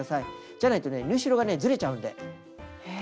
じゃないとね縫い代がねずれちゃうんで。